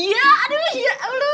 iya aduh ya allah